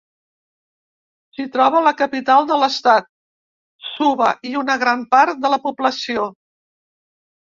S'hi troba la capital de l'estat, Suva, i una gran part de la població.